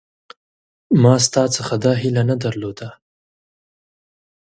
ما ستا څخه دا هیله نه درلوده